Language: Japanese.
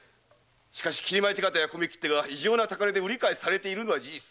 しかし切米手形や米切手が異常な高値で売り買いされているのは事実。